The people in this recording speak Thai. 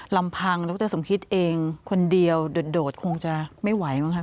ลำพังเรียกว่าเธอสมคิดเองคนเดียวโดดคงจะไม่ไหวมั้งครับ